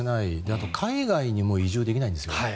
あと、海外にも移住できないんですよ。